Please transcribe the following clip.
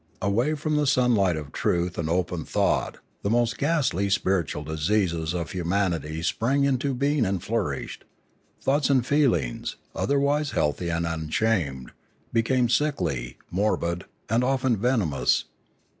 Away from the sunlight of truth and open thought the most ghastly spiritual diseases of humanity sprang into being and flourished; thoughts and feelings, otherwise healthy and un ashamed, became sickly, morbid, and often venomous.